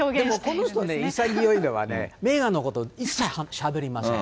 この人、潔いのはね、メーガンのことを一切しゃべりません。